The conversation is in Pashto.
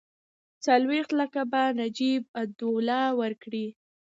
څلوېښت لکه به نجیب الدوله ورکړي.